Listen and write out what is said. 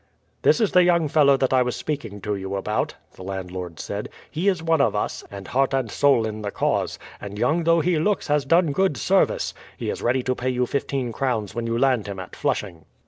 "This is the young fellow that I was speaking to you about," the landlord said. "He is one of us, and heart and soul in the cause, and young though he looks has done good service. He is ready to pay you fifteen crowns when you land him at Flushing."